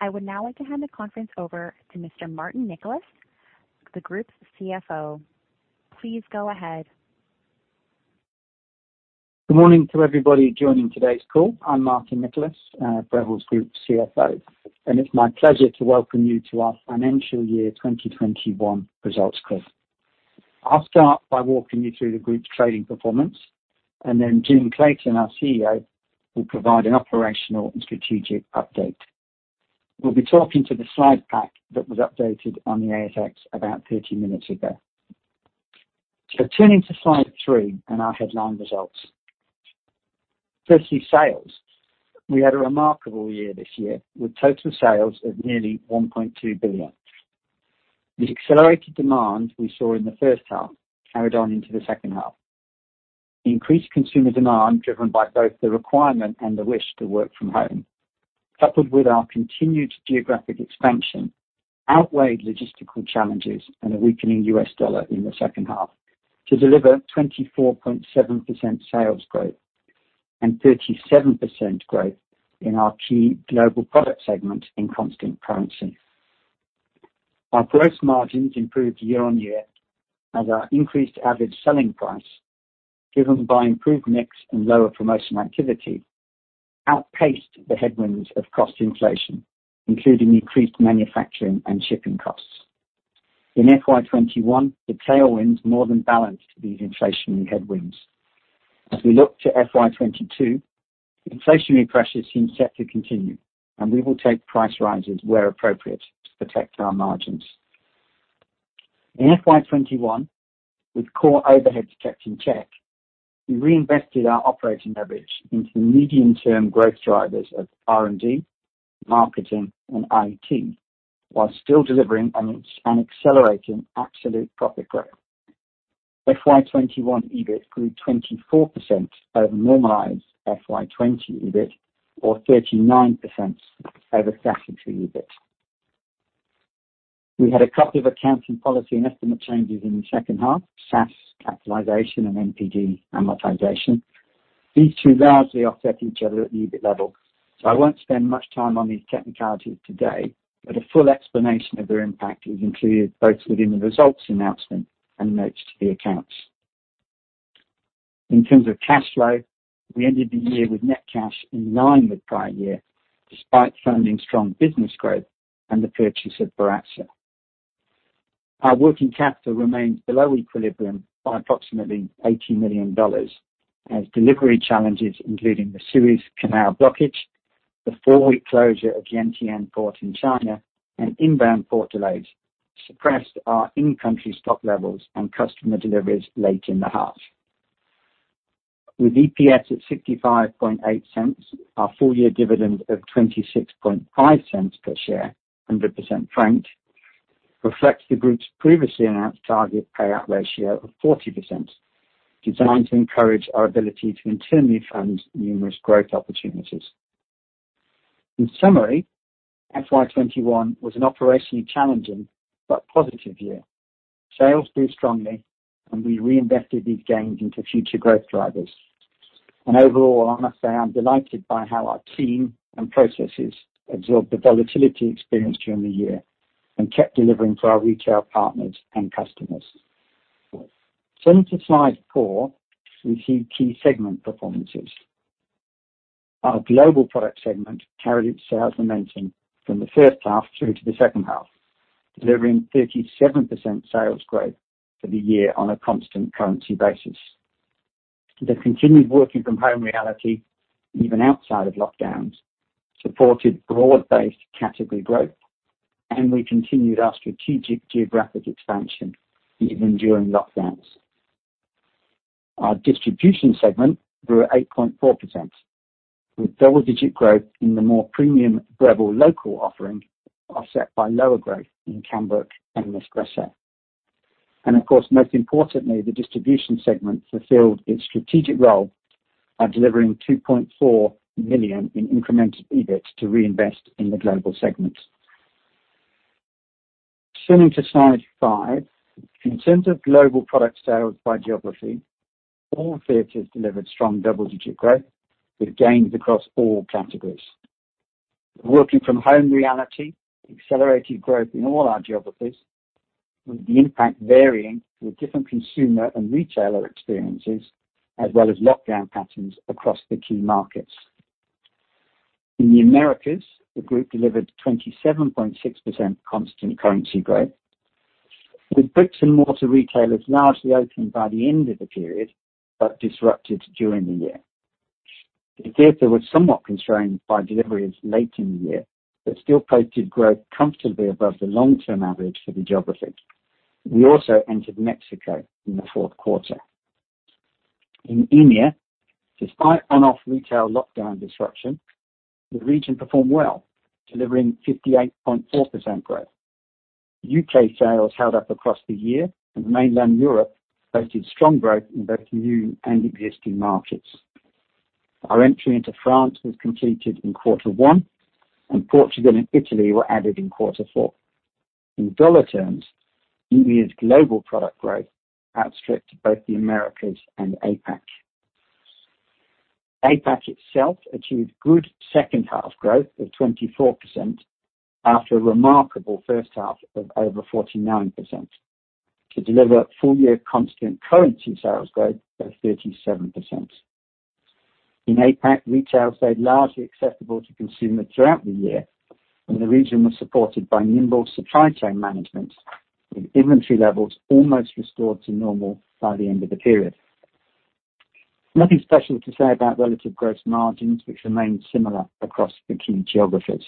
I would now like to hand the conference over to Mr. Martin Nicholas, the Group's CFO. Please go ahead. Good morning to everybody joining today's call. I'm Martin Nicholas, Breville's Group CFO, and it's my pleasure to welcome you to our financial year 2021 results call. I'll start by walking you through the group's trading performance, and then Jim Clayton, our CEO, will provide an operational and strategic update. We'll be talking to the slide pack that was updated on the ASX about 30 minutes ago. Turning to slide three and our headline results. Firstly, sales. We had a remarkable year this year with total sales of nearly 1.2 billion. The accelerated demand we saw in the first half carried on into the second half. Increased consumer demand, driven by both the requirement and the wish to work from home, coupled with our continued geographic expansion, outweighed logistical challenges and a weakening U.S. dollar in the second half to deliver 24.7% sales growth and 37% growth in our key Global Product segment in constant currency. Our gross margins improved year on year as our increased average selling price, driven by improved mix and lower promotional activity, outpaced the headwinds of cost inflation, including increased manufacturing and shipping costs. In FY 2021, the tailwinds more than balanced these inflationary headwinds. As we look to FY 2022, inflationary pressures seem set to continue, and we will take price rises where appropriate to protect our margins. In FY 2021, with core overheads kept in check, we reinvested our operating leverage into the medium-term growth drivers of R&D, marketing, and IT, while still delivering an accelerating absolute profit growth. FY 2021 EBIT grew 24% over normalized FY 2020 EBIT, or 39% over statutory EBIT. We had a couple of accounting policy and estimate changes in the second half, SaaS capitalization and NPD amortization. These two largely offset each other at the EBIT level, so I won't spend much time on these technicalities today, but a full explanation of their impact is included both within the results announcement and notes to the accounts. In terms of cash flow, we ended the year with net cash in line with prior year, despite funding strong business growth and the purchase of Baratza. Our working capital remains below equilibrium by approximately 80 million dollars as delivery challenges, including the Suez Canal blockage, the four-week closure of the Yantian port in China, and inbound port delays suppressed our in-country stock levels and customer deliveries late in the half. With EPS at 0.658, our full-year dividend of 0.265 per share, 100% franked, reflects the Group's previously announced target payout ratio of 40%, designed to encourage our ability to internally fund numerous growth opportunities. In summary, FY 2021 was an operationally challenging but positive year. Sales grew strongly. We reinvested these gains into future growth drivers. Overall, I must say I'm delighted by how our team and processes absorbed the volatility experienced during the year and kept delivering for our retail partners and customers. Turning to slide four, we see key segment performances. Our Global Product segment carried its sales momentum from the first half through to the second half, delivering 37% sales growth for the year on a constant currency basis. The continued working from home reality, even outside of lockdowns, supported broad-based category growth. We continued our strategic geographic expansion even during lockdowns. Our Distribution segment grew at 8.4%, with double-digit growth in the more premium Breville local offering offset by lower growth in Kambrook and Nespresso. Of course, most importantly, the Distribution segment fulfilled its strategic role by delivering 2.4 million in incremental EBIT to reinvest in the Global segment. Turning to slide five. In terms of Global Product sales by geography, all theaters delivered strong double-digit growth with gains across all categories. Working from home reality accelerated growth in all our geographies, with the impact varying with different consumer and retailer experiences as well as lockdown patterns across the key markets. In the Americas, the Group delivered 27.6% constant currency growth, with bricks and mortar retailers largely open by the end of the period but disrupted during the year. The theater was somewhat constrained by deliveries late in the year, but still posted growth comfortably above the long-term average for the geography. We also entered Mexico in the fourth quarter. In EMEA, despite on-off retail lockdown disruption, the region performed well, delivering 58.4% growth. U.K. sales held up across the year, and mainland Europe posted strong growth in both new and existing markets. Our entry into France was completed in quarter one, and Portugal and Italy were added in quarter four. In dollar terms, EMEA's Global Product growth outstripped both the Americas and APAC itself achieved good second half growth of 24%, after a remarkable first half of over 49%, to deliver a full-year constant currency sales growth of 37%. In APAC, retail stayed largely accessible to consumers throughout the year, and the region was supported by nimble supply chain management, with inventory levels almost restored to normal by the end of the period. Nothing special to say about relative gross margins, which remained similar across the key geographies.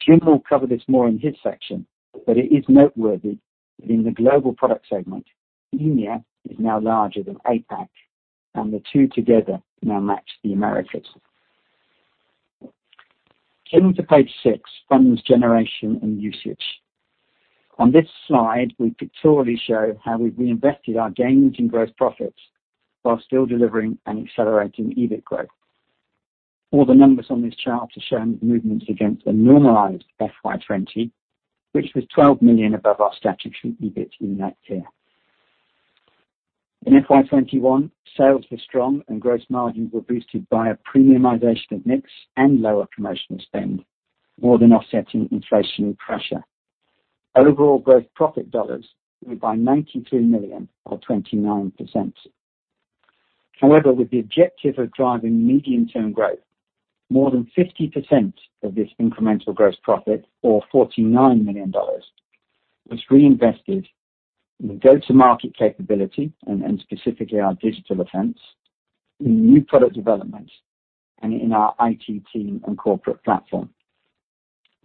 Jim will cover this more in his section, but it is noteworthy that in the Global Product segment, EMEA is now larger than APAC, and the two together now match the Americas. Turning to page six, funds generation and usage. On this slide, we pictorially show how we reinvested our gains in gross profits while still delivering an accelerating EBIT growth. All the numbers on this chart are showing the movements against a normalized FY 2020, which was 12 million above our statutory EBIT in that year. In FY 2021, sales were strong, and gross margins were boosted by a premiumization of mix and lower promotional spend, more than offsetting inflationary pressure. Overall gross profit dollars grew by 92 million or 29%. With the objective of driving medium-term growth, more than 50% of this incremental gross profit or 49 million dollars was reinvested in go-to-market capability, and specifically our digital offense, in new product development, and in our IT team and corporate platform.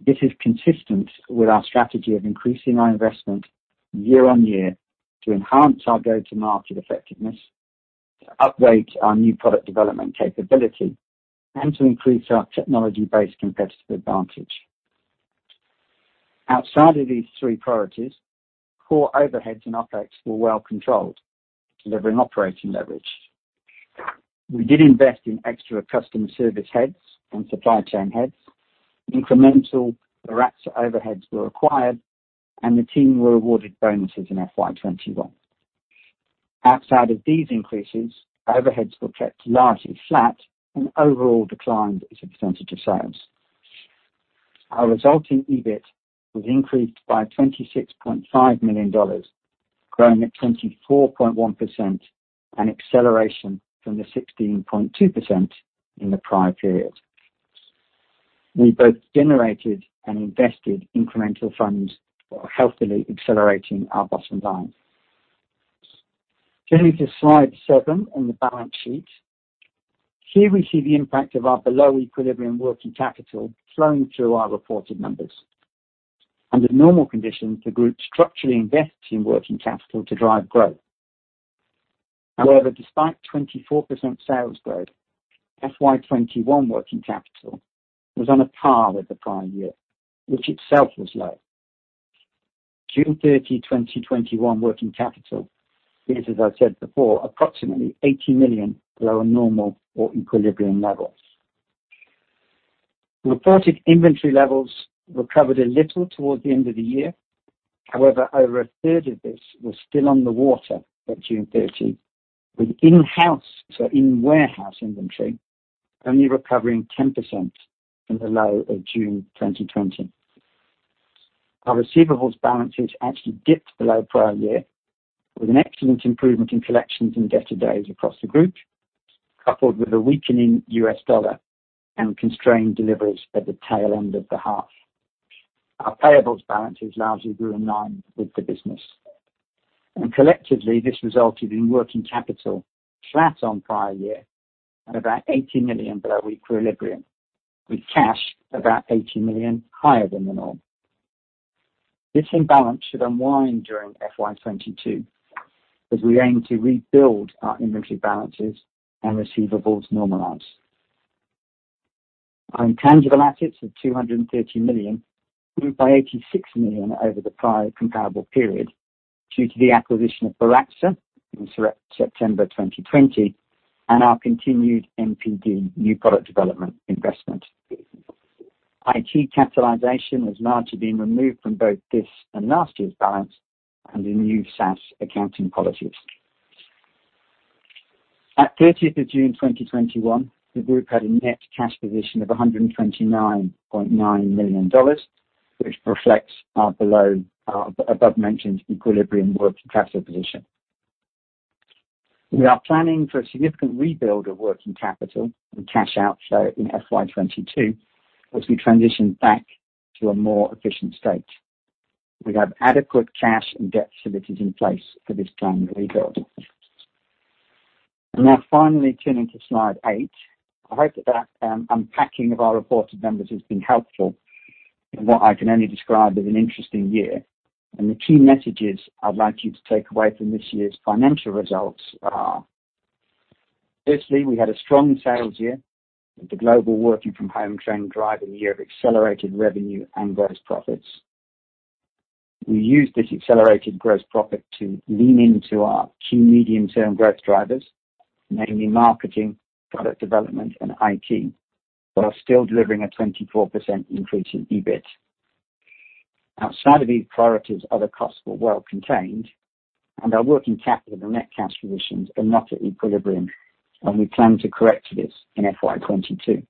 This is consistent with our strategy of increasing our investment year on year to enhance our go-to-market effectiveness, to upgrade our new product development capability, and to increase our technology-based competitive advantage. Outside of these three priorities, core overheads and OpEx were well controlled, delivering operating leverage. We did invest in extra customer service heads and supply chain heads. Incremental Baratza overheads were acquired, and the team were awarded bonuses in FY 2021. Outside of these increases, overheads were kept largely flat and overall declined as a percentage of sales. Our resulting EBIT was increased by 26.5 million dollars, growing at 24.1%, an acceleration from the 16.2% in the prior period. We both generated and invested incremental funds while healthily accelerating our bottom line. Turning to slide seven on the balance sheet. Here we see the impact of our below-equilibrium working capital flowing through our reported numbers. Under normal conditions, the group structurally invests in working capital to drive growth. However, despite 24% sales growth, FY 2021 working capital was on a par with the prior year, which itself was low. June 30, 2021, working capital is, as I said before, approximately 80 million below normal or equilibrium levels. Reported inventory levels recovered a little towards the end of the year. However, over a third of this was still on the water by June 30, with in-house or in-warehouse inventory only recovering 10% from the low of June 2020. Our receivables balances actually dipped below prior year, with an excellent improvement in collections and debtor days across the Group, coupled with a weakening U.S. dollar and constrained deliveries at the tail end of the half. Our payables balances largely grew in line with the business. Collectively, this resulted in working capital flat on prior year at about 80 million below equilibrium, with cash about 80 million higher than the norm. This imbalance should unwind during FY 2022, as we aim to rebuild our inventory balances and receivables normalize. Our intangible assets of 230 million grew by 86 million over the prior comparable period due to the acquisition of Baratza in September 2020 and our continued NPD new product development investment. IT capitalization has largely been removed from both this and last year's balance under new SaaS accounting policies. At 30th of June 2021, the Group had a net cash position of 129.9 million dollars, which reflects our above-mentioned equilibrium working capital position. We are planning for a significant rebuild of working capital and cash outflow in FY 2022 as we transition back to a more efficient state. We have adequate cash and debt facilities in place for this planned rebuild. Now finally turning to slide eight. I hope that that unpacking of our reported numbers has been helpful in what I can only describe as an interesting year, and the key messages I'd like you to take away from this year's financial results are firstly, we had a strong sales year with the global working from home trend driving a year of accelerated revenue and gross profits. We used this accelerated gross profit to lean into our key medium-term growth drivers, namely marketing, product development, and IT, while still delivering a 24% increase in EBIT. Outside of these priorities, other costs were well contained, and our working capital and net cash positions are not at equilibrium, and we plan to correct this in FY 2022.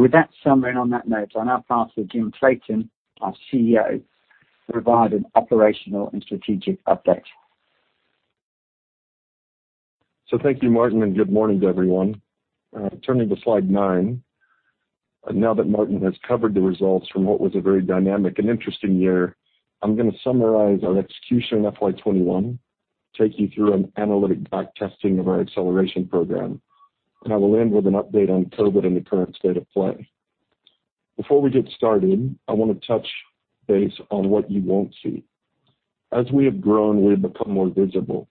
With that summary, on that note, I'll now pass to Jim Clayton, our CEO, to provide an operational and strategic update. Thank you, Martin, and good morning to everyone. Turning to slide nine. Now that Martin has covered the results from what was a very dynamic and interesting year, I'm going to summarize our execution in FY 2021, take you through an analytic backtesting of our Acceleration Program, and I will end with an update on COVID and the current state of play. Before we get started, I want to touch base on what you won't see. As we have grown, we've become more visible.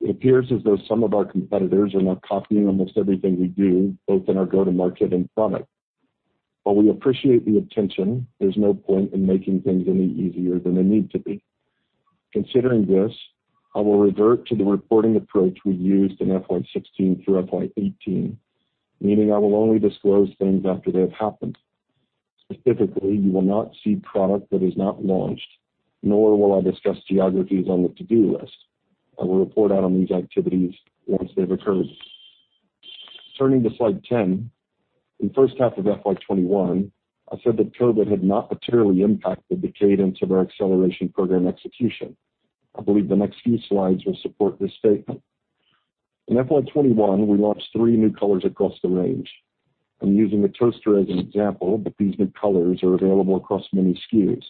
It appears as though some of our competitors are now copying almost everything we do, both in our go-to-market and product. While we appreciate the attention, there's no point in making things any easier than they need to be. Considering this, I will revert to the reporting approach we used in FY 2016 through FY 2018, meaning I will only disclose things after they have happened. Specifically, you will not see product that is not launched, nor will I discuss geographies on the to-do list. I will report out on these activities once they've occurred. Turning to slide 10. In the first half of FY 2021, I said that COVID had not materially impacted the cadence of our acceleration program execution. I believe the next few slides will support this statement. In FY 2021, we launched three new colors across the range. I'm using the toaster as an example, but these new colors are available across many SKUs.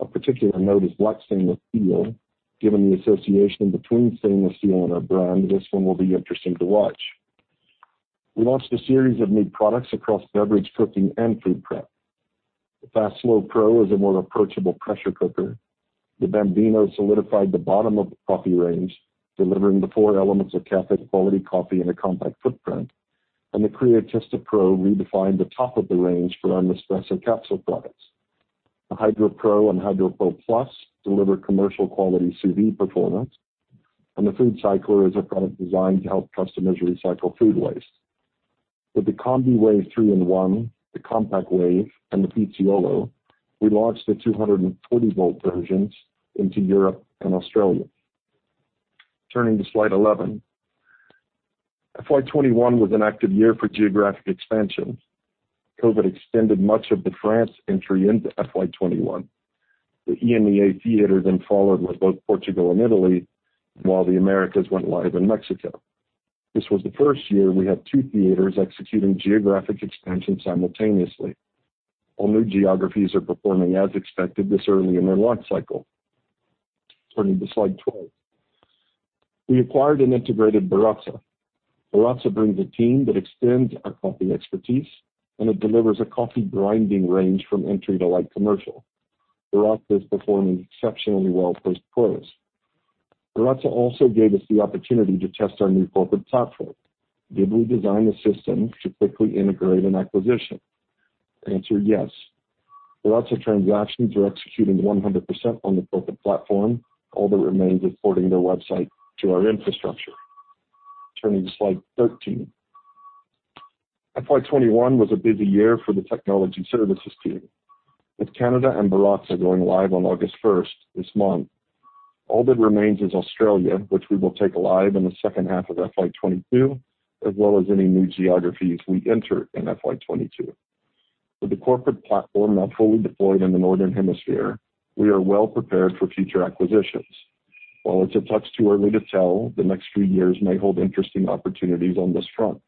Of particular note is black stainless steel. Given the association between stainless steel and our brand, this one will be interesting to watch. We launched a series of new products across beverage, cooking, and food prep. The Fast Slow GO is a more approachable pressure cooker. The Bambino solidified the bottom of the coffee range, delivering the four elements of cafe-quality coffee in a compact footprint. The Creatista Pro redefined the top of the range for our Nespresso capsule products. The HydroPro and HydroPro Plus deliver commercial quality sous vide performance. The FoodCycler is a product designed to help customers recycle food waste. With the Combi Wave 3 in 1, the Compact Wave, and the Pizzaiolo, we launched the 240-volt versions into Europe and Australia. Turning to slide 11. FY 2021 was an active year for geographic expansion. COVID extended much of the France entry into FY 2021. The EMEA theater followed with both Portugal and Italy, while the Americas went live in Mexico. This was the first year we had two theaters executing geographic expansion simultaneously. All new geographies are performing as expected this early in their life cycle. Turning to slide 12. We acquired an integrated Baratza. Baratza brings a team that extends our coffee expertise, and it delivers a coffee grinding range from entry to light commercial. Baratza is performing exceptionally well post-close. Baratza also gave us the opportunity to test our new corporate platform. Did we design the system to quickly integrate an acquisition? Answer, yes. Baratza transactions are executing 100% on the corporate platform. All that remains is porting their website to our infrastructure. Turning to slide 13. FY 2021 was a busy year for the technology services team. With Canada and Baratza going live on August 1st this month, all that remains is Australia, which we will take live in the second half of FY 2022, as well as any new geographies we enter in FY 2022. With the corporate platform now fully deployed in the Northern Hemisphere, we are well prepared for future acquisitions. While it's a touch too early to tell, the next few years may hold interesting opportunities on this front.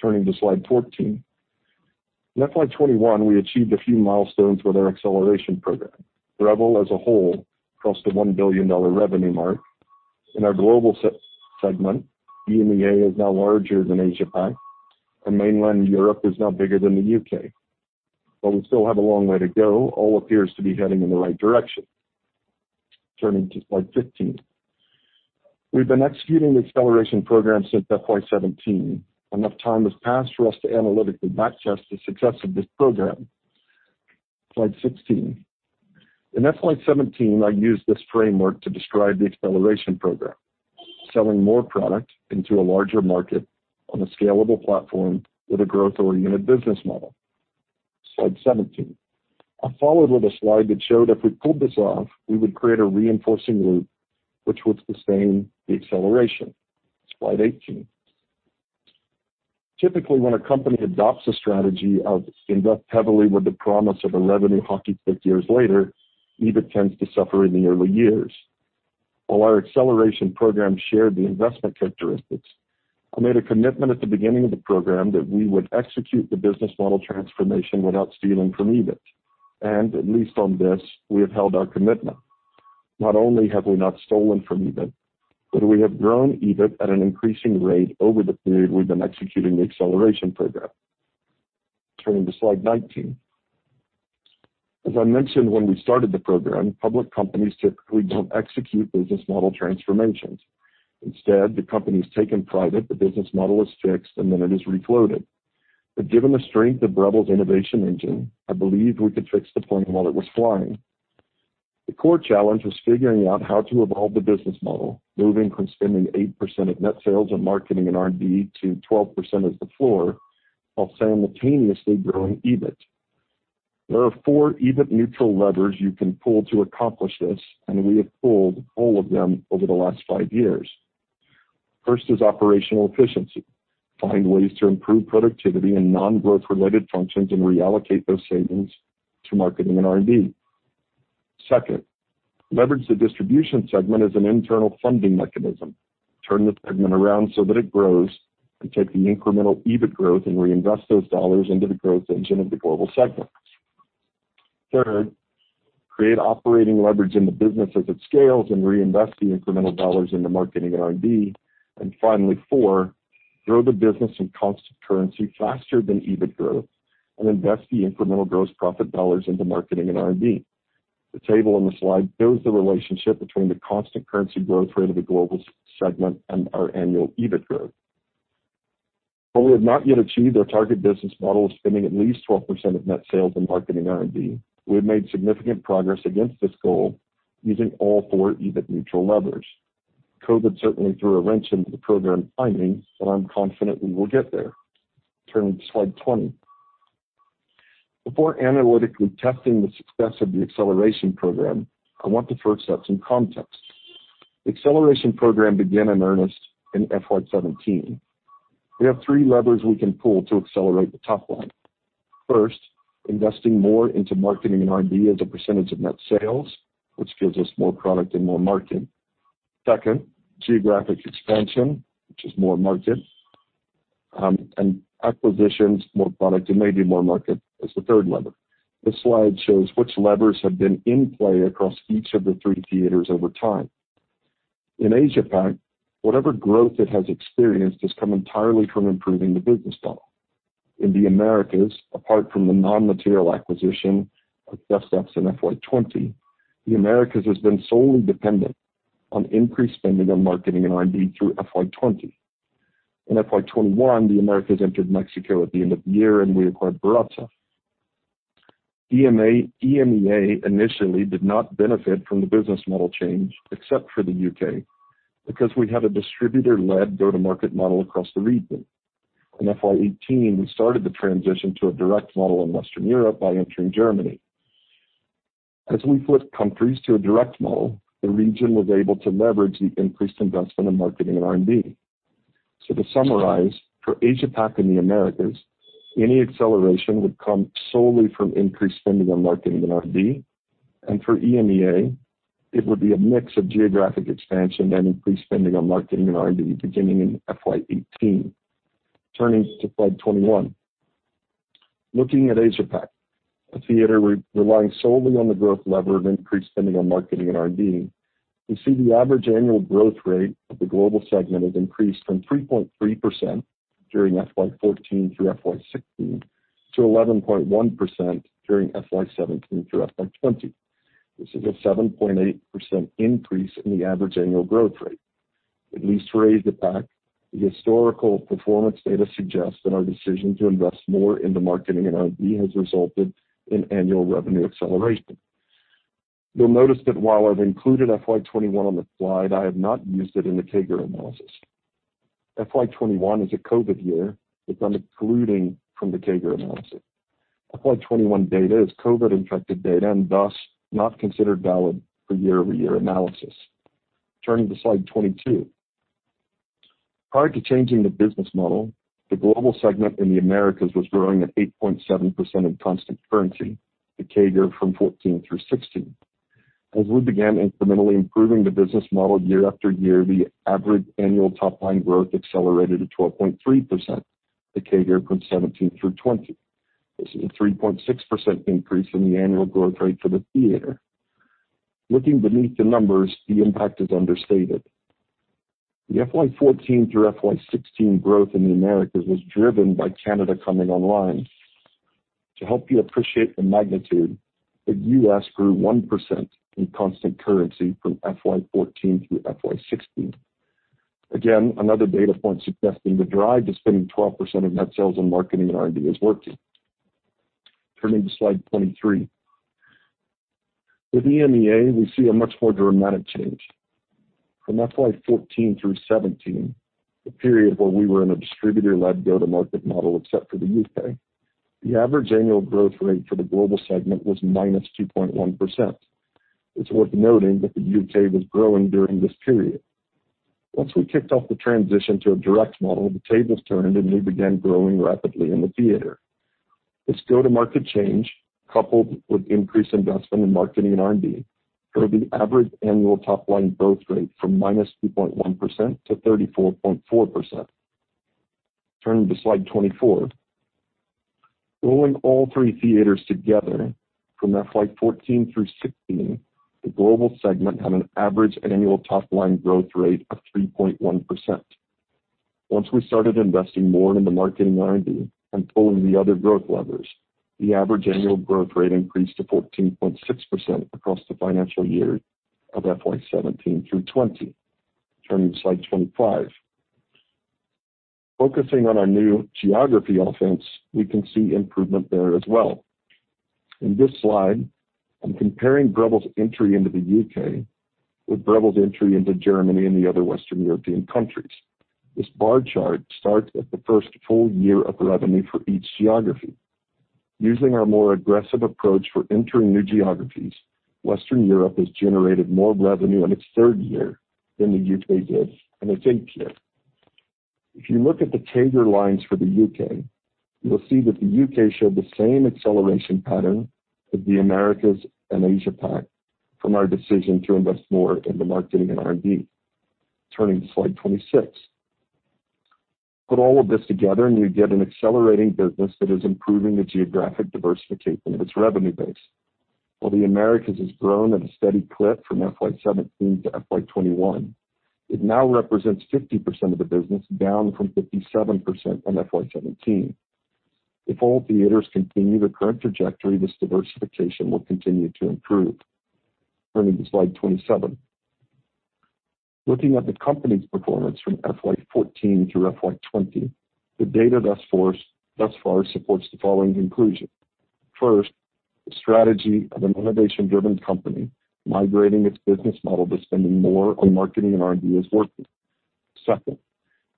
Turning to slide 14. In FY 2021, we achieved a few milestones with our acceleration program. Breville, as a whole, crossed the 1 billion dollar revenue mark. In our Global segment, EMEA is now larger than Asia-Pac, and mainland Europe is now bigger than the U.K. While we still have a long way to go, all appears to be heading in the right direction. Turning to slide 15. We've been executing the acceleration program since FY 2017. Enough time has passed for us to analytically back test the success of this program. Slide 16. In FY 2017, I used this framework to describe the acceleration program. Selling more product into a larger market on a scalable platform with a growth-oriented business model. Slide 17. I followed with a slide that showed if we pulled this off, we would create a reinforcing loop which would sustain the acceleration. Slide 18. Typically, when a company adopts a strategy of invest heavily with the promise of a revenue hockey stick years later, EBIT tends to suffer in the early years. While our acceleration program shared the investment characteristics, I made a commitment at the beginning of the program that we would execute the business model transformation without stealing from EBIT. At least on this, we have held our commitment. Not only have we not stolen from EBIT, but we have grown EBIT at an increasing rate over the period we've been executing the acceleration program. Turning to slide 19. As I mentioned when we started the program, public companies typically don't execute business model transformations. Instead, the company is taken private, the business model is fixed, and then it is refloated. Given the strength of Breville's innovation engine, I believed we could fix the plane while it was flying. The core challenge was figuring out how to evolve the business model, moving from spending 8% of net sales on marketing and R&D to 12% as the floor while simultaneously growing EBIT. There are four EBIT-neutral levers you can pull to accomplish this, and we have pulled all of them over the last five years. First is operational efficiency. Find ways to improve productivity in non-growth-related functions and reallocate those savings to marketing and R&D. Second, leverage the Distribution segment as an internal funding mechanism. Turn the segment around so that it grows, and take the incremental EBIT growth and reinvest those dollars into the growth engine of the global segments. Third, create operating leverage in the business as it scales and reinvest the incremental dollars into marketing and R&D. Finally, four, grow the business in constant currency faster than EBIT growth and invest the incremental gross profit dollars into marketing and R&D. The table in the slide shows the relationship between the constant currency growth rate of the Global segment and our annual EBIT growth. While we have not yet achieved our target business model of spending at least 12% of net sales on marketing and R&D, we have made significant progress against this goal using all four EBIT-neutral levers. COVID certainly threw a wrench into the program timing, but I am confident we will get there. Turning to slide 20. Before analytically testing the success of the acceleration program, I want to first set some context. The acceleration program began in earnest in FY 2017. We have three levers we can pull to accelerate the top line. First, investing more into marketing and R&D as a percentage of net sales, which gives us more product and more market. Second, geographic expansion, which is more market. Acquisitions, more product, and maybe more market as the third lever. This slide shows which levers have been in play across each of the three theaters over time. In Asia-Pac, whatever growth it has experienced has come entirely from improving the business model. In the Americas, apart from the non-material acquisition of ChefSteps in FY 2020, the Americas has been solely dependent on increased spending on marketing and R&D through FY 2020. In FY 2021, the Americas entered Mexico at the end of the year, and we acquired Baratza. EMEA initially did not benefit from the business model change, except for the U.K., because we had a distributor-led go-to-market model across the region. In FY 2018, we started the transition to a direct model in Western Europe by entering Germany. As we flipped countries to a direct model, the region was able to leverage the increased investment in marketing and R&D. To summarize, for Asia-Pac and the Americas, any acceleration would come solely from increased spending on marketing and R&D. For EMEA, it would be a mix of geographic expansion and increased spending on marketing and R&D beginning in FY 2018. Turning to slide 21. Looking at Asia-Pac, a theater relying solely on the growth lever of increased spending on marketing and R&D, we see the average annual growth rate of the Global segment has increased from 3.3% during FY 2014 through FY 2016 to 11.1% during FY 2017 through FY 2020. This is a 7.8% increase in the average annual growth rate. At least for Asia-Pac, the historical performance data suggests that our decision to invest more into marketing and R&D has resulted in annual revenue acceleration. You'll notice that while I've included FY 2021 on the slide, I have not used it in the CAGR analysis. FY 2021 is a COVID year, with them precluding from the CAGR analysis. FY 2021 data is COVID-infected data and thus not considered valid for year-over-year analysis. Turning to slide 22. Prior to changing the business model, the Global segment in the Americas was growing at 8.7% in constant currency, the CAGR from 2014 through 2016. As we began incrementally improving the business model year after year, the average annual top-line growth accelerated to 12.3%, the CAGR from 2017 through 2020. This is a 3.6% increase in the annual growth rate for the theater. Looking beneath the numbers, the impact is understated. The FY 2014 through FY 2016 growth in the Americas was driven by Canada coming online. To help you appreciate the magnitude, the U.S. grew 1% in constant currency from FY 2014 through FY 2016. Another data point suggesting the drive to spending 12% of net sales on marketing and R&D is working. Turning to slide 23. With EMEA, we see a much more dramatic change. From FY 2014 through 2017, the period where we were in a distributor-led go-to-market model except for the U.K., the average annual growth rate for the Global segment was -2.1%. It's worth noting that the U.K. was growing during this period. Once we kicked off the transition to a direct model, the tables turned, and we began growing rapidly in the theater. This go-to-market change, coupled with increased investment in marketing and R&D, drove the average annual top-line growth rate from -2.1% to 34.4%. Turning to slide 24. Rolling all three theaters together, from FY 2014 through 2016, the Global segment had an average annual top-line growth rate of 3.1%. Once we started investing more into marketing and R&D and pulling the other growth levers, the average annual growth rate increased to 14.6% across the financial year of FY 2017 through 2020. Turning to slide 25. Focusing on our new geography offense, we can see improvement there as well. In this slide, I'm comparing Breville's entry into the U.K. with Breville's entry into Germany and the other Western European countries. This bar chart starts at the first full year of revenue for each geography. Using our more aggressive approach for entering new geographies, Western Europe has generated more revenue in its third year than the U.K. did in its eighth year. If you look at the CAGR lines for the U.K., you'll see that the U.K. showed the same acceleration pattern as the Americas and Asia-Pac from our decision to invest more into marketing and R&D. Turning to slide 26. Put all of this together, and you get an accelerating business that is improving the geographic diversification of its revenue base. While the Americas has grown at a steady clip from FY 2017 to FY 2021, it now represents 50% of the business, down from 57% in FY 2017. If all theaters continue the current trajectory, this diversification will continue to improve. Turning to slide 27. Looking at the company's performance from FY 2014 through FY 2020, the data thus far supports the following conclusions. First, the strategy of an innovation-driven company migrating its business model to spending more on marketing and R&D is working. Second,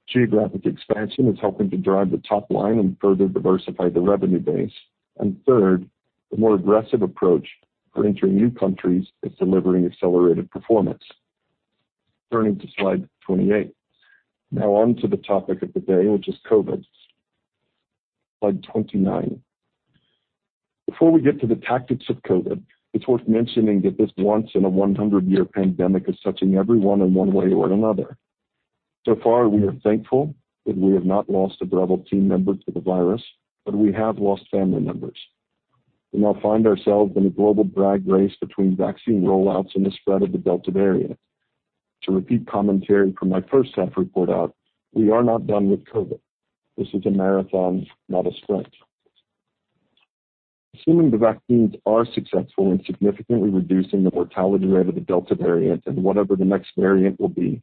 geographic expansion is helping to drive the top line and further diversify the revenue base. Third, the more aggressive approach for entering new countries is delivering accelerated performance. Turning to slide 28. Now on to the topic of the day, which is COVID. Slide 29. Before we get to the tactics of COVID, it's worth mentioning that this once-in-a-100-year pandemic is touching everyone in one way or another. Far, we are thankful that we have not lost a Breville team member to the virus, but we have lost family members. We now find ourselves in a global brag race between vaccine rollouts and the spread of the Delta variant. To repeat commentary from my first half report out, we are not done with COVID. This is a marathon, not a sprint. Assuming the vaccines are successful in significantly reducing the mortality rate of the Delta variant and whatever the next variant will be,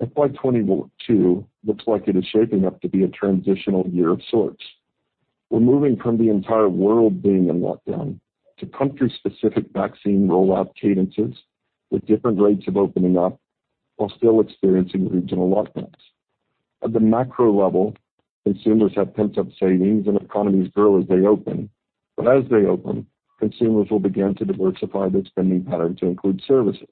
FY 2022 looks like it is shaping up to be a transitional year of sorts. We're moving from the entire world being in lockdown to country-specific vaccine rollout cadences with different rates of opening up while still experiencing regional lockdowns. At the macro level, consumers have pent-up savings and economies grow as they open, but as they open, consumers will begin to diversify their spending pattern to include services.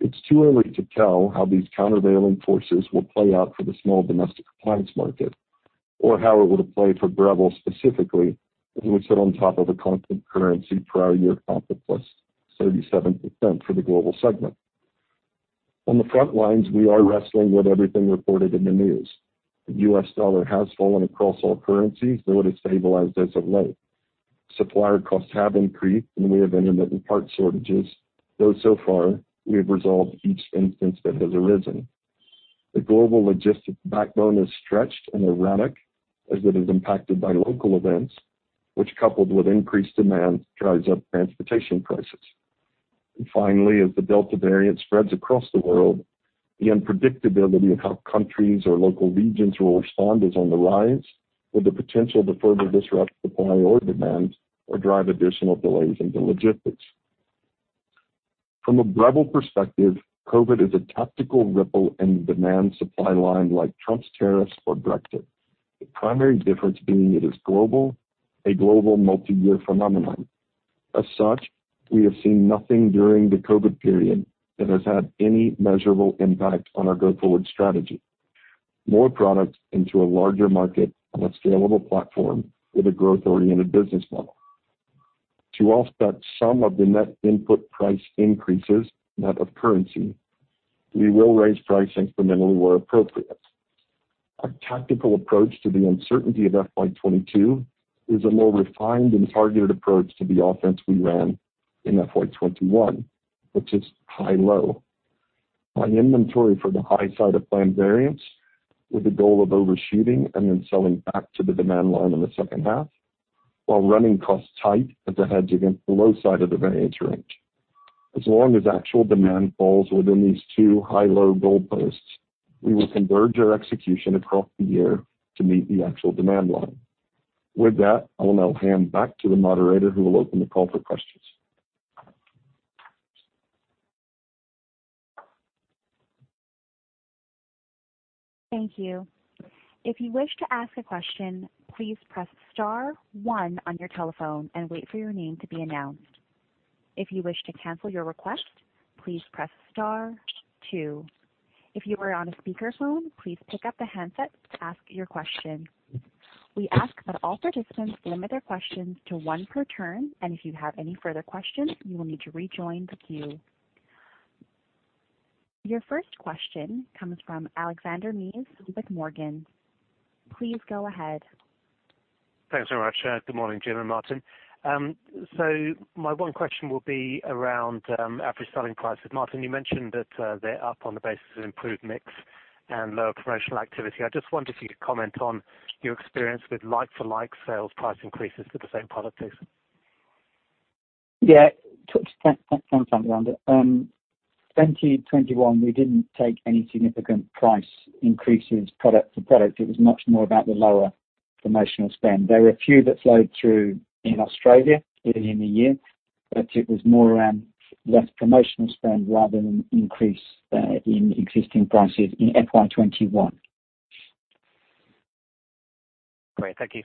It's too early to tell how these countervailing forces will play out for the small domestic appliance market, or how it will play for Breville specifically as we sit on top of a constant currency prior-year profit plus 37% for the Global segment. On the front lines, we are wrestling with everything reported in the news. The U.S. dollar has fallen across all currencies, though it has stabilized as of late. Supplier costs have increased in the way of intermittent part shortages, though so far, we have resolved each instance that has arisen. The global logistics backbone is stretched and erratic as it is impacted by local events, which, coupled with increased demand, drives up transportation prices. Finally, as the Delta variant spreads across the world, the unpredictability of how countries or local regions will respond is on the rise with the potential to further disrupt supply or demand or drive additional delays into logistics. From a Breville perspective, COVID is a tactical ripple in the demand-supply line like Trump's tariffs or Brexit. The primary difference being it is global, a global multi-year phenomenon. We have seen nothing during the COVID period that has had any measurable impact on our go-forward strategy. More products into a larger market on a scalable platform with a growth-oriented business model. To offset some of the net input price increases, net of currency, we will raise price incrementally where appropriate. Our tactical approach to the uncertainty of FY 2022 is a more refined and targeted approach to the offense we ran in FY 2021, which is high-low. High inventory for the high side of planned variance with the goal of overshooting and then selling back to the demand line in the second half while running costs tight as a hedge against the low side of the variance range. As long as actual demand falls within these two high-low goalposts, we will converge our execution across the year to meet the actual demand line. With that, I will now hand back to the moderator who will open the call for questions. Thank you. If you wish to ask a question, please press star one on your telephone and wait for your name to be announced. If you wish to cancel your request, please press star two. If you are on a speakerphone, please pick up the handset to ask your question. We ask that all participants limit their question to one per turn and if you have any further question you will need to rejoin the queue. Your first question comes from Alexander Mees with Morgans. Please go ahead. Thanks very much. Good morning, Jim and Martin. My one question will be around average selling prices. Martin, you mentioned that they're up on the basis of improved mix and lower promotional activity. I just wondered if you could comment on your experience with like-for-like sales price increases for the same products. Yeah. Just to expand on that. Twenty twenty-one, we didn't take any significant price increases product to product. It was much more about the lower promotional spend. There were a few that flowed through in Australia early in the year, but it was more around less promotional spend rather than an increase in existing prices in FY 2021. Great. Thank you.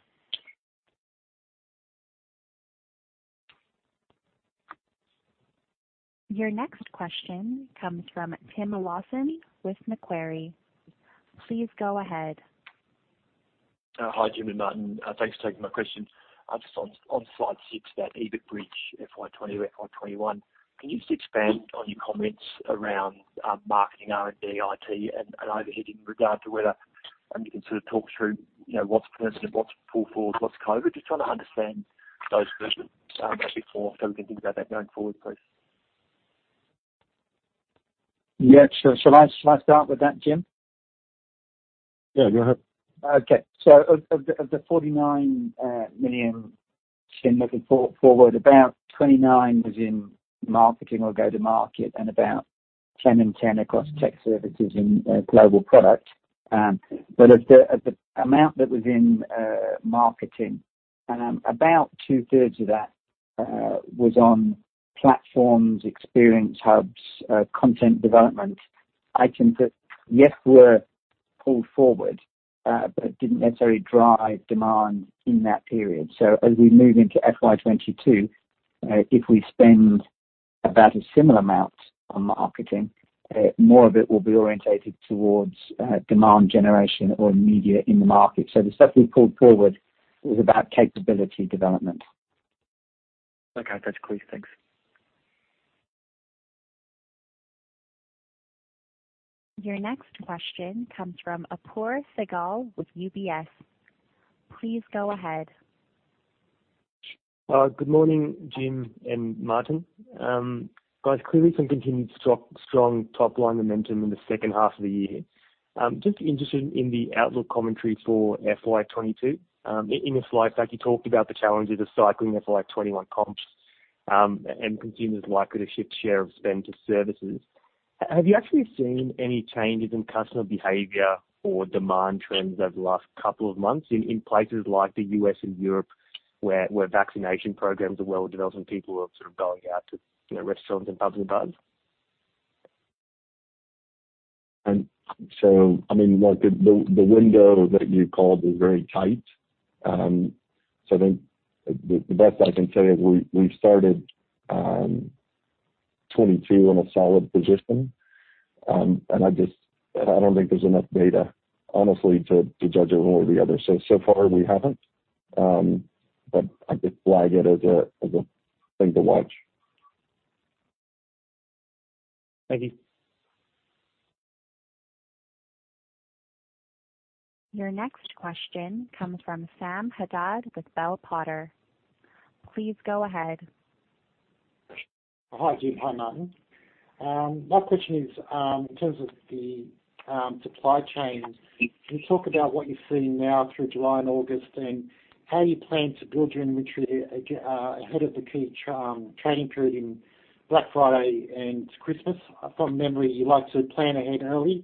Your next question comes from Tim Lawson with Macquarie. Please go ahead. Hi, Jim and Martin. Thanks for taking my question. Just on slide six, that EBIT bridge FY 2020, FY 2021, can you just expand on your comments around marketing R&D, IT, and overhead in regard to whether you can sort of talk through what's person and what's pull forward, what's COVID? Just trying to understand those movements, actually, before so we can think about that going forward, please. Yeah. Shall I start with that, Jim? Yeah, go ahead. Of the 49 million looking forward, about 29 million was in marketing or go-to-market and about 10 million and 10 million across tech services and global product. Of the amount that was in marketing, about two-thirds of that was on platforms, experience hubs, content development items that, yes, were pulled forward, but didn't necessarily drive demand in that period. As we move into FY 2022, if we spend about a similar amount on marketing, more of it will be orientated towards demand generation or media in the market. The stuff we pulled forward was about capability development. Okay. That's clear. Thanks. Your next question comes from Apoorv Sehgal with UBS. Please go ahead. Good morning, Jim and Martin. Guys, clearly some continued strong top-line momentum in the second half of the year. Just interested in the outlook commentary for FY 2022. In the slide deck, you talked about the challenges of cycling FY 2021 comps, and consumers likely to shift share of spend to services. Have you actually seen any changes in customer behavior or demand trends over the last couple of months in places like the U.S. and Europe, where vaccination programs are well developed and people are sort of going out to restaurants and pubs? The window that you called is very tight. I think the best I can tell you, we've started 2022 in a solid position. I don't think there's enough data, honestly, to judge it one way or the other. So far we haven't, but I'd just flag it as a thing to watch. Thank you. Your next question comes from Sam Haddad with Bell Potter. Please go ahead. Hi, Jim. Hi, Martin. My question is, in terms of the supply chain, can you talk about what you're seeing now through July and August, and how you plan to build your inventory ahead of the key trading period in Black Friday and Christmas? From memory, you like to plan ahead early,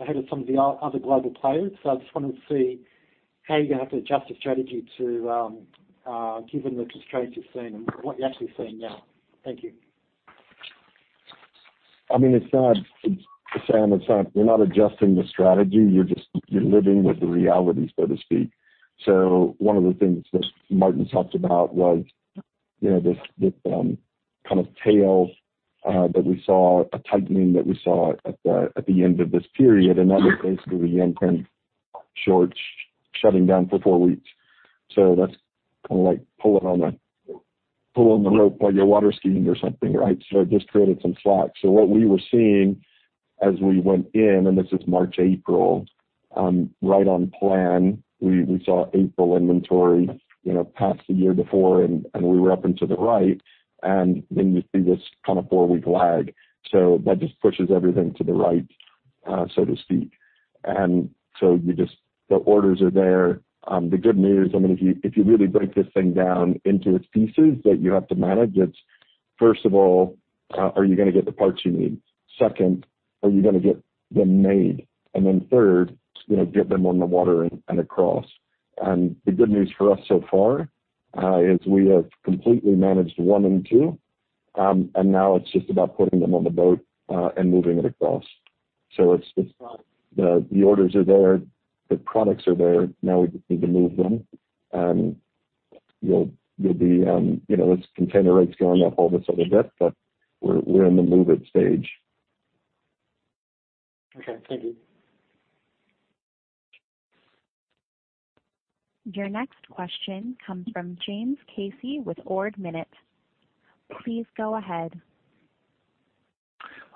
ahead of some of the other global players. I just wanted to see how you're going to have to adjust your strategy given the constraints you're seeing and what you're actually seeing now. Thank you. Sam, we're not adjusting the strategy. You're living with the reality, so to speak. One of the things that Martin talked about was this kind of tail that we saw, a tightening that we saw at the end of this period, and that was basically the Yantian port shutting down for four weeks. That's kind of like pulling on the rope while you're water skiing or something, right? It just created some slack. What we were seeing as we went in, this is March, April, right on plan, we saw April inventory pass the year before, we were up and to the right, then you see this kind of four-week lag. That just pushes everything to the right, so to speak. The orders are there. The good news, if you really break this thing down into its pieces that you have to manage, it's first of all, are you going to get the parts you need? Second, are you going to get them made? Then third, get them on the water and across. The good news for us so far is we have completely managed one and two, and now it's just about putting them on the boat and moving it across. The orders are there, the products are there. Now we just need to move them. It's container rates going up, all this other bit, but we're in the move it stage. Okay. Thank you. Your next question comes from James Casey with Ord Minnett. Please go ahead.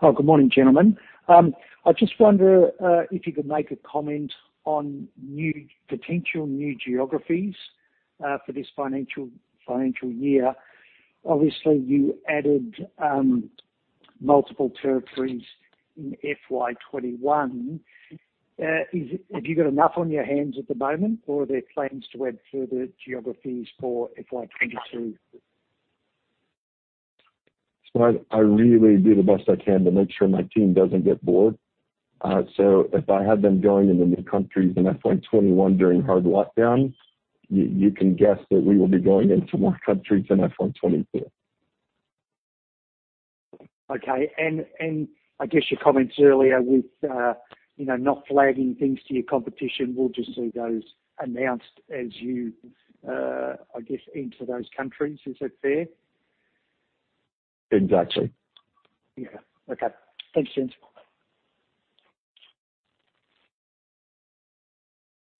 Oh, good morning, gentlemen. I just wonder if you could make a comment on potential new geographies for this financial year. Obviously, you added multiple territories in FY 2021. Have you got enough on your hands at the moment, or are there plans to add further geographies for FY 2022? I really do the best I can to make sure my team doesn't get bored. If I had them going into new countries in FY 2021 during hard lockdown, you can guess that we will be going into more countries in FY 2022. Okay. I guess your comments earlier with not flagging things to your competition, we'll just see those announced as you, I guess, enter those countries. Is that fair? Exactly. Yeah. Okay. Thanks, gents.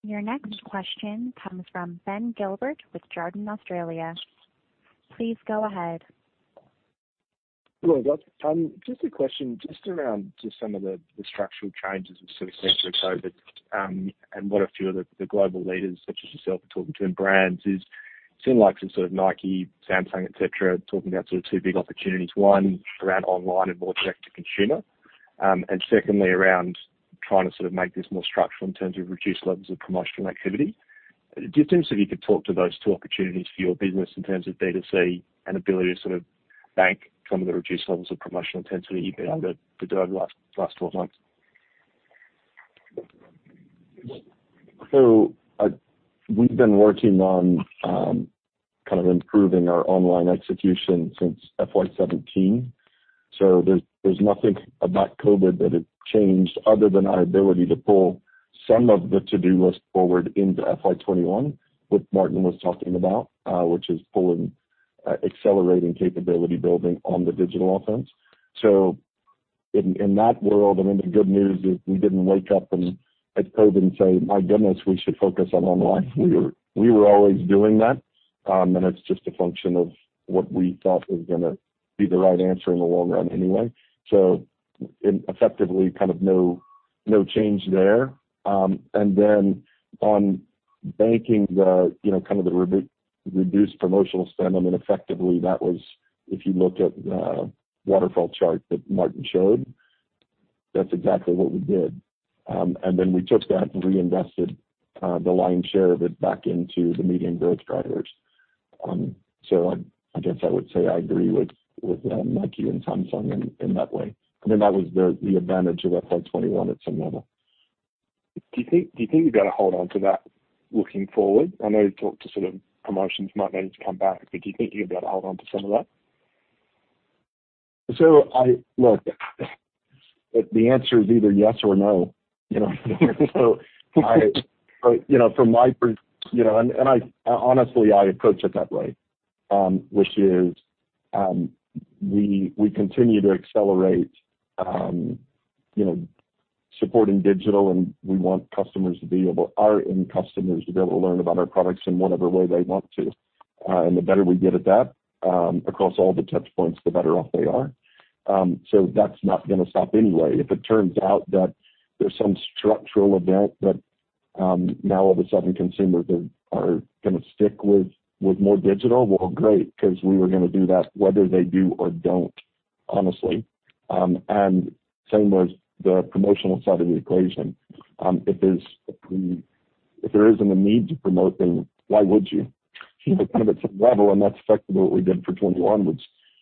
Your next question comes from Ben Gilbert with Jarden Australia. Please go ahead. Hello, guys. A question around some of the structural changes we've sort of seen through COVID, and what a few of the global leaders such as yourself are talking to in brands is it seemed like some sort of Nike, Samsung, et cetera, are talking about sort of two big opportunities. One, around online and more direct to consumer, and secondly, around trying to sort of make this more structural in terms of reduced levels of promotional activity. Could talk to those two opportunities for your business in terms of D2C and ability to sort of bank some of the reduced levels of promotional intensity you've been able to do over the last 12 months? We've been working on kind of improving our online execution since FY 2017. There's nothing about COVID that had changed other than our ability to pull some of the to-do list forward into FY 2021, which Martin was talking about, which is pulling, accelerating capability building on the digital offense. In that world, I mean, the good news is we didn't wake up in COVID and say, "My goodness, we should focus on online." We were always doing that, and it's just a function of what we thought was going to be the right answer in the long run anyway. Effectively kind of no change there. On banking the kind of the reduced promotional spend, I mean, effectively that was, if you look at the waterfall chart that Martin showed, that's exactly what we did. Then we took that and reinvested the lion's share of it back into the medium growth drivers. I guess I would say I agree with Nike and Samsung in that way. I mean, that was the advantage of FY 2021 at some level. Do you think you've got to hold onto that looking forward? I know you talked to sort of promotions might need to come back, but do you think you've got to hold on to some of that? Look, the answer is either yes or no. Honestly, I approach it that way, which is, we continue to accelerate supporting digital, and we want our end customers to be able to learn about our products in whatever way they want to. The better we get at that across all the touch points, the better off they are. That's not going to stop anyway. If it turns out that there's some structural event that now all of a sudden consumers are going to stick with more digital, well, great, because we were going to do that whether they do or don't, honestly. Same with the promotional side of the equation. If there isn't a need to promote, then why would you? Kind of at some level, that's effectively what we did for 2021, was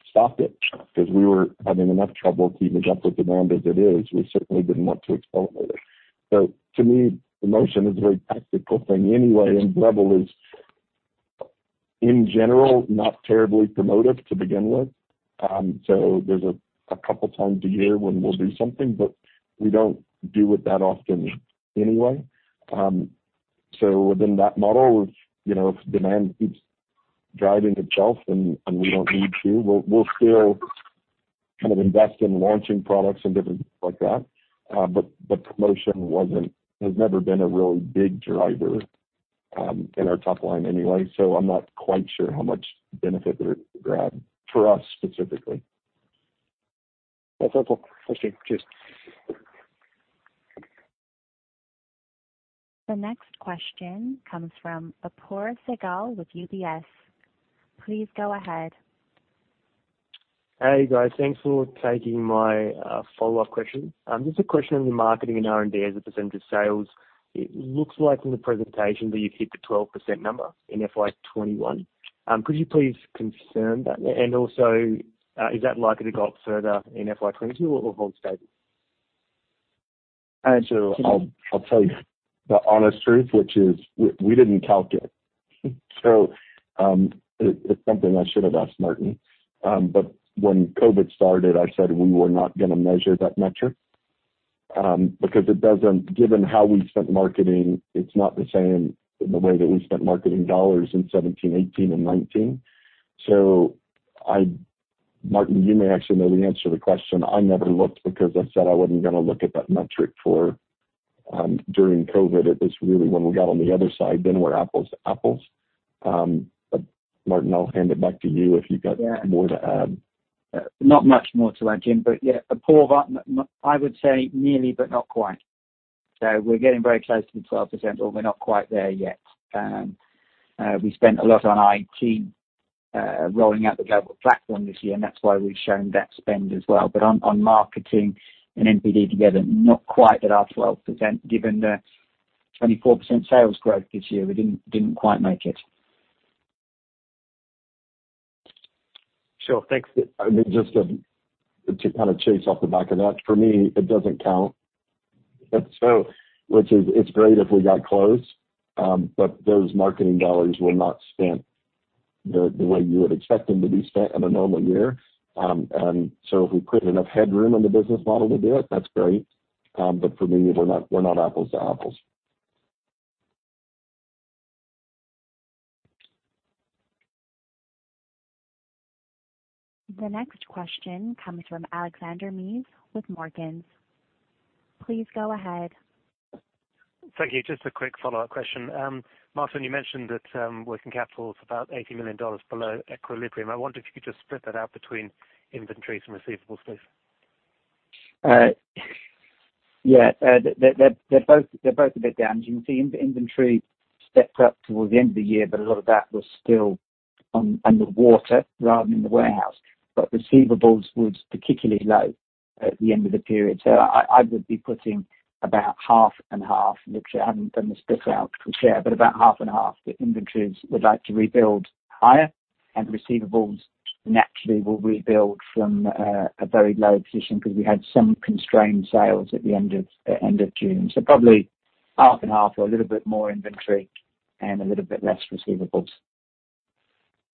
stopped it because we were having enough trouble keeping up with demand as it is. We certainly didn't want to accelerate it. To me, promotion is a very tactical thing anyway, and Breville is, in general, not terribly promotive to begin with. There's a couple times a year when we'll do something, we don't do it that often anyway. Within that model, if demand keeps driving itself and we don't need to, we'll still kind of invest in launching products and different things like that. Promotion has never been a really big driver in our top line anyway. I'm not quite sure how much benefit there is to grab for us specifically. That's helpful. Thanks, Jim. Cheers. The next question comes from Apoorv Sehgal with UBS. Please go ahead. Hey, guys. Thanks for taking my follow-up question. Just a question on the marketing and R&D as a percentage of sales. It looks like in the presentation that you've hit the 12% number in FY 2021. Could you please confirm that? Also, is that likely to go up further in FY 2022 or hold stable? I'll tell you the honest truth, which is we didn't calculate. It's something I should have asked Martin. When COVID started, I said we were not gonna measure that metric. Because given how we spent marketing, it's not the same the way that we spent marketing dollars in 2017, 2018, and 2019. Martin, you may actually know the answer to the question. I never looked because I said I wasn't gonna look at that metric during COVID. It was really when we got on the other side, then we're apples to apples. Martin, I'll hand it back to you if you've got more to add. Not much more to add, Jim. Yeah, Apoorv, I would say nearly, but not quite. We're getting very close to the 12%, but we're not quite there yet. We spent a lot on IT, rolling out the global platform this year, and that's why we've shown that spend as well. On marketing and NPD together, not quite at our 12%, given the 24% sales growth this year, we didn't quite make it. Sure. Thanks. Just to kind of chase off the back of that. For me, it doesn't count. It's great if we got close, but those marketing dollars were not spent the way you would expect them to be spent in a normal year. If we put enough headroom in the business model to do it, that's great. For me, we're not apples to apples. The next question comes from Alexander Mees with Morgans. Please go ahead. Thank you. Just a quick follow-up question. Martin, you mentioned that working capital is about 80 million dollars below equilibrium. I wonder if you could just split that out between inventories and receivables, please. Yeah. They're both a bit down. You can see inventory stepped up towards the end of the year, but a lot of that was still under water rather than in the warehouse. Receivables were particularly low at the end of the period. I would be putting about 50/50, literally. I haven't done the split out for sure, but about 50/50. The inventories we'd like to rebuild higher and receivables naturally will rebuild from a very low position because we had some constrained sales at the end of June. Probably 50/50 or a little bit more inventory and a little bit less receivables.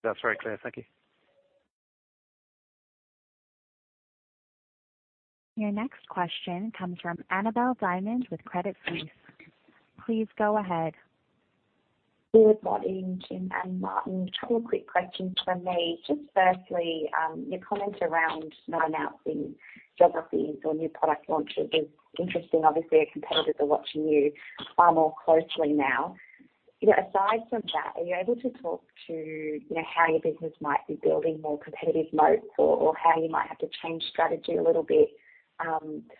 That's very clear. Thank you. Your next question comes from Annabelle Diamond with Credit Suisse. Please go ahead. Good morning, Jim and Martin. Two quick questions from me. Just firstly, your comment around not announcing geographies or new product launches is interesting. Obviously, our competitors are watching you far more closely now. Aside from that, are you able to talk to how your business might be building more competitive moats, or how you might have to change strategy a little bit,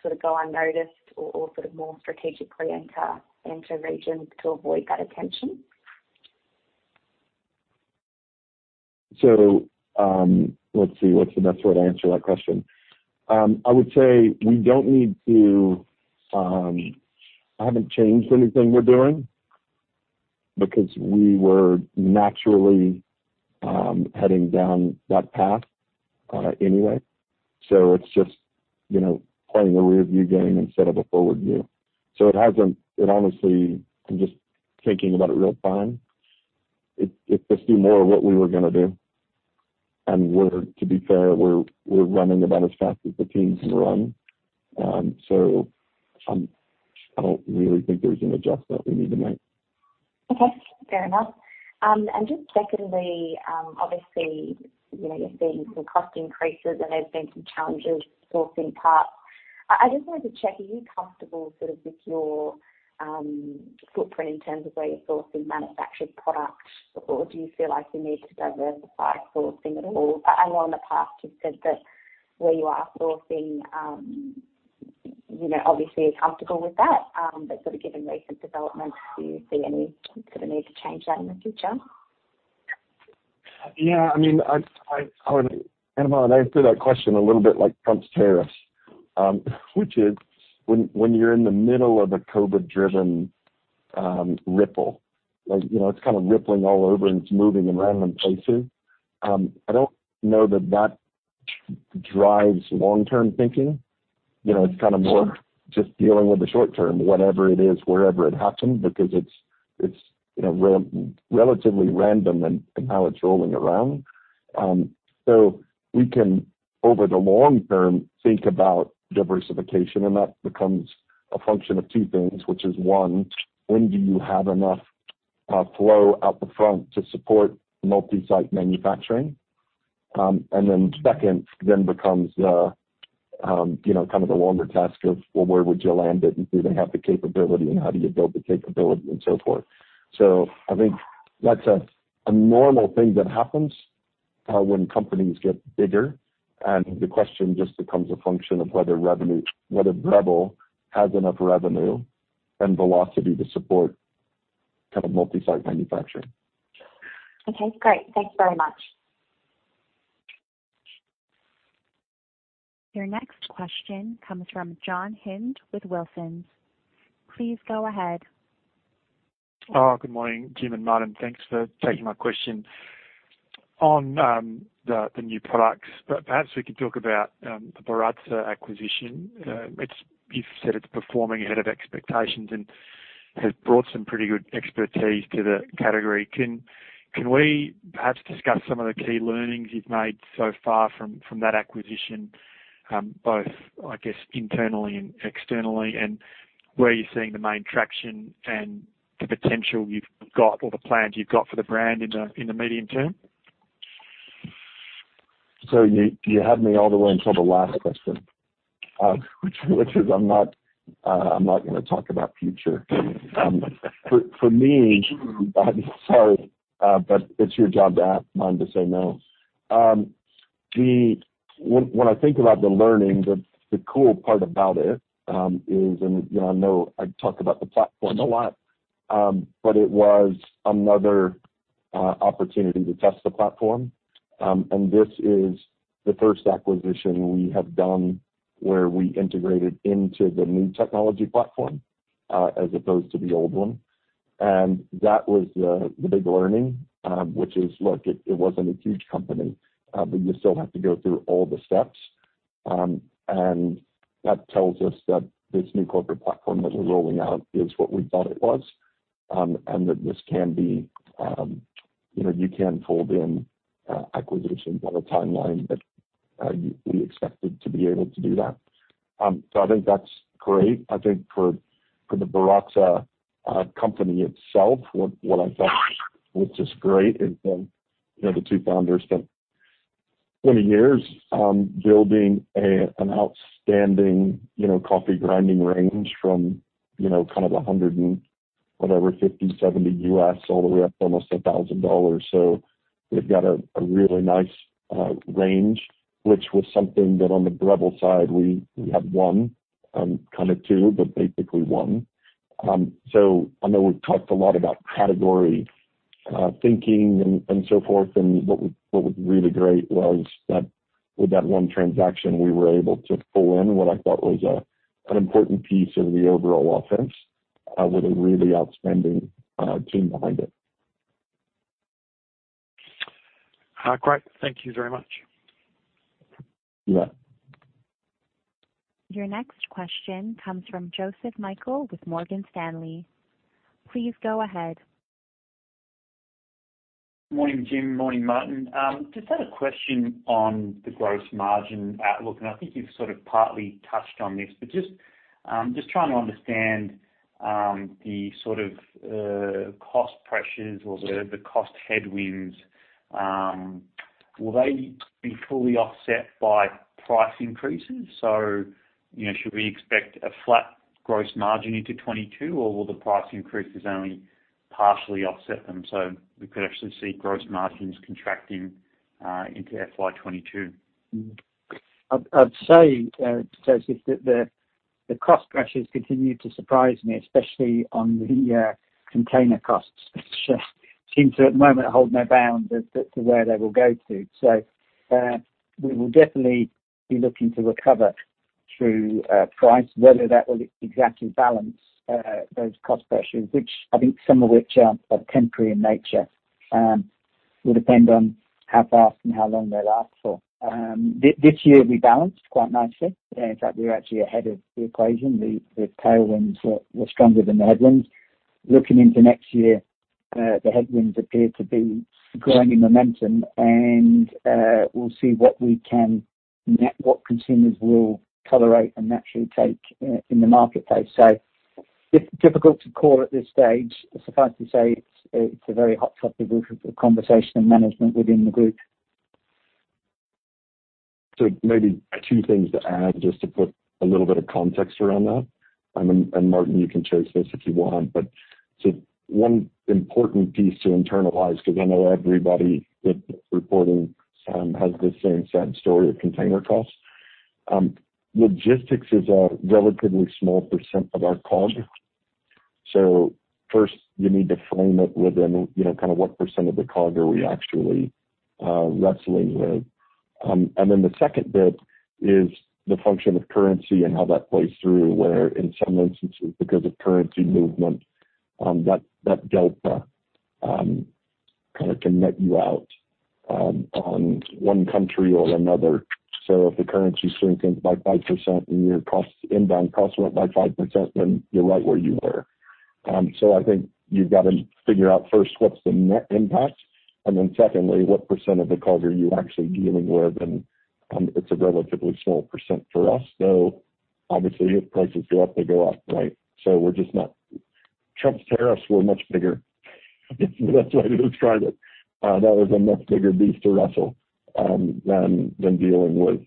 sort of go unnoticed or sort of more strategically enter regions to avoid that attention? Let's see what's the best way to answer that question. I would say we don't need to—I haven't changed anything we're doing because we were naturally heading down that path anyway. It's just playing a rear view game instead of a forward view. It hasn't—honestly, I'm just thinking about it real time. It's just do more of what we were going to do. To be fair, we're running about as fast as the team can run. I don't really think there's an adjust that we need to make. Okay, fair enough. Just secondly, obviously, you're seeing some cost increases and there's been some challenges sourcing parts. I just wanted to check, are you comfortable sort of with your footprint in terms of where you're sourcing manufactured product, or do you feel like you need to diversify sourcing at all? I know in the past you've said that where you are sourcing, obviously you're comfortable with that. Sort of given recent developments, do you see any sort of need to change that in the future? Yeah. Annabel, I answer that question a little bit like Trump's tariffs, which is when you're in the middle of a COVID-driven ripple, it's kind of rippling all over, and it's moving in random places. I don't know that that drives long-term thinking. It's kind of more just dealing with the short-term, whatever it is, wherever it happened, because it's relatively random in how it's rolling around. We can, over the long term, think about diversification, and that becomes a function of two things, which is one, when do you have enough flow out the front to support multi-site manufacturing? Second then becomes the kind of the longer task of, well, where would you land it and do they have the capability and how do you build the capability and so forth. I think that's a normal thing that happens when companies get bigger, and the question just becomes a function of whether Breville has enough revenue and velocity to support kind of multi-site manufacturing. Okay, great. Thank you very much. Your next question comes from John Hynd with Wilsons. Please go ahead. Oh, good morning, Jim and Martin. Thanks for taking my question. On the new products, perhaps we could talk about the Baratza acquisition. You've said it's performing ahead of expectations and has brought some pretty good expertise to the category. Can we perhaps discuss some of the key learnings you've made so far from that acquisition? Both, I guess, internally and externally, and where you're seeing the main traction and the potential you've got or the plans you've got for the brand in the medium term. You had me all the way until the last question, which is I'm not going to talk about future. Sorry. It's your job to ask, mine to say no. When I think about the learnings, the cool part about it is, and I know I talk about the platform a lot, but it was another opportunity to test the platform. This is the first acquisition we have done where we integrated into the new technology platform, as opposed to the old one. That was the big learning, which is, look, it wasn't a huge company, but you still have to go through all the steps. That tells us that this new corporate platform that we're rolling out is what we thought it was, and that you can fold in acquisitions on a timeline that we expected to be able to do that. I think that's great. I think for the Baratza itself, what I thought was just great is the two founders spent 20 years building an outstanding coffee grinding range from, kind of $100 and whatever, $50, $70, all the way up to almost $1,000 USD. They've got a really nice range, which was something that on the Breville, we have one, kind of two, but basically one. I know we've talked a lot about category thinking and so forth, and what was really great was that with that one transaction, we were able to pull in what I thought was an important piece of the overall offense with a really outstanding team behind it. Great. Thank you very much. Yeah. Your next question comes from Joseph Michael with Morgan Stanley. Please go ahead. Morning, Jim. Morning, Martin. Just had a question on the gross margin outlook, and I think you've sort of partly touched on this, but just trying to understand the sort of cost pressures or the cost headwinds. Will they be fully offset by price increases? Should we expect a flat gross margin into 2022, or will the price increases only partially offset them, so we could actually see gross margins contracting into FY 2022? I'd say, Joseph, that the cost pressures continue to surprise me, especially on the container costs. It just seems to, at the moment, hold no bounds as to where they will go to. We will definitely be looking to recover through price, whether that will exactly balance those cost pressures, some of which are temporary in nature, will depend on how fast and how long they last for. This year, we balanced quite nicely. In fact, we were actually ahead of the equation. The tailwinds were stronger than the headwinds. Looking into next year, the headwinds appear to be growing in momentum, and we'll see what consumers will tolerate and actually take in the marketplace. It's difficult to call at this stage. Suffice to say, it's a very hot topic of conversation and management within the Group. Maybe two things to add, just to put a little bit of context around that. Martin, you can chase this if you want. One important piece to internalize, because I know everybody that's reporting has the same sad story of container costs. Logistics is a relatively small percent of our COGS. First, you need to frame it within what percent of the COGS are we actually wrestling with. The second bit is the function of currency and how that plays through, where in some instances, because of currency movement, that delta kind of can net you out on one country or another. If the currency strengthens by 5% and your inbound costs went by 5%, then you're right where you were. I think you've got to figure out first what's the net impact, and then secondly, what percent of the COGS are you actually dealing with. It's a relatively small percent for us, though obviously if prices go up, they go up, right? Trump's tariffs were much bigger. That's the way to describe it. That was a much bigger beast to wrestle than dealing with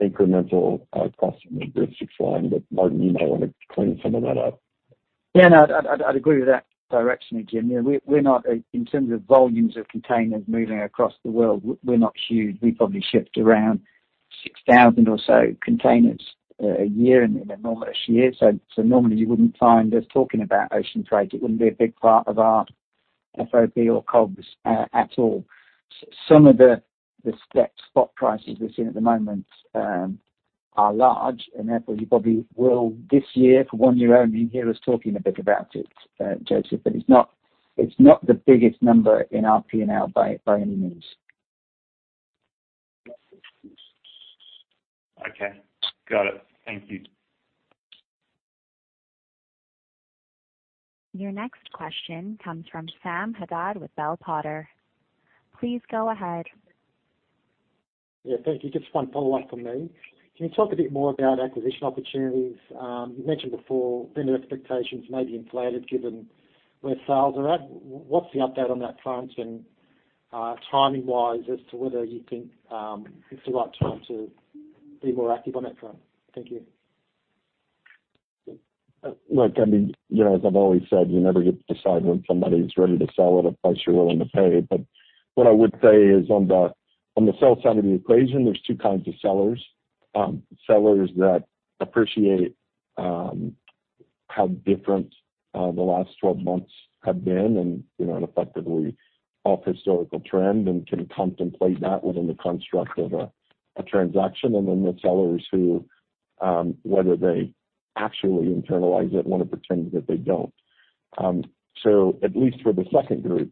incremental costs from a logistics line. Martin, you may want to clean some of that up. Yeah, no, I'd agree with that direction, Jim. In terms of volumes of containers moving across the world, we're not huge. We probably shift around 6,000 or so containers a year in a normal-ish year. Normally you wouldn't find us talking about ocean freight. It wouldn't be a big part of our FOB or COGS at all. Some of the step spot prices we're seeing at the moment are large, and therefore you probably will, this year for one year only, hear us talking a bit about it, Joseph. It's not the biggest number in our P&L by any means. Okay. Got it. Thank you. Your next question comes from Sam Haddad with Bell Potter. Please go ahead. Yeah, thank you. Just one follow-up from me. Can you talk a bit more about acquisition opportunities? You mentioned before vendor expectations may be inflated given where sales are at. What's the update on that front and timing-wise as to whether you think it's the right time to be more active on that front? Thank you. I mean, as I've always said, you never get to decide when somebody's ready to sell at a price you're willing to pay. What I would say is on the sales side of the equation, there's two kinds of sellers. Sellers that appreciate how different the last 12 months have been and effectively off historical trend and can contemplate that within the construct of a transaction, and then the sellers who, whether they actually internalize it, want to pretend that they don't. At least for the second group,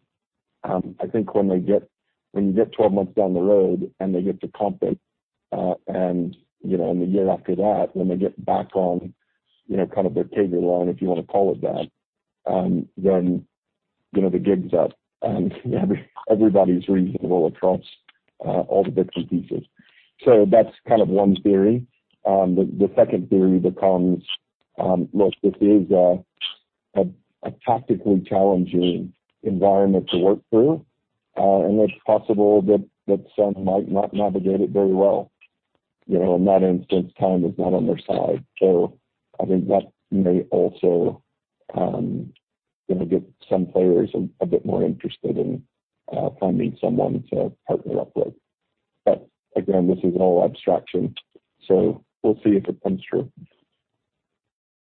I think when you get 12 months down the road and they get to comp it, and the year after that, when they get back on kind of their CAGR line, if you want to call it that, then the gig's up and everybody's reasonable across all the bits and pieces. That's kind of one theory. The second theory becomes, look, this is a tactically challenging environment to work through. It's possible that some might not navigate it very well. In that instance, time is not on their side. I think that may also get some players a bit more interested in finding someone to partner up with. Again, this is all abstraction, we'll see if it comes true.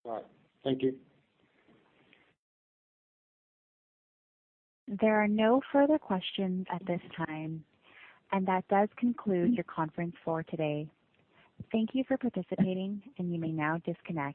All right. Thank you. There are no further questions at this time, and that does conclude your conference for today. Thank you for participating, and you may now disconnect.